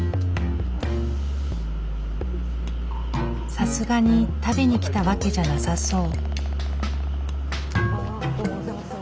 さすがに食べに来たわけじゃなさそう。